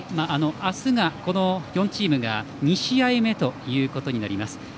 明日はこの４チームが２試合目ということになります。